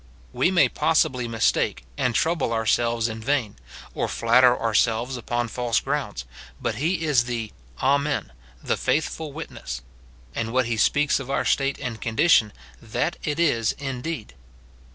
We may possibly mistake, and trouble ourselves in vain, or flatter ourselves upon false grounds, but he is the "Amen, the faithful Witness ;" and what he speaks of our state and condition, that it is indeed.